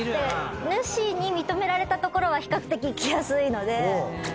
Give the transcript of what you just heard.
主に認められた所は比較的行きやすいので。